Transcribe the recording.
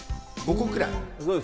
５個ぐらい？